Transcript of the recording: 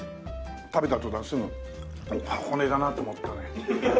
食べたとたんすぐ箱根だなと思ったね。